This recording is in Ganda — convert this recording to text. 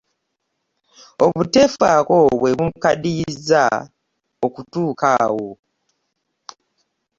Obuteefaako bwe bumukaddiyizza okutuuka awo.